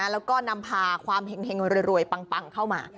แล้วก็นำพาความเห็งรวยปังเข้ามา